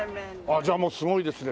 じゃあもうすごいですね。